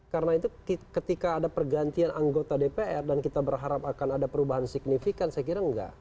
karena itu ketika ada pergantian anggota dpr dan kita berharap akan ada perubahan signifikan saya kira enggak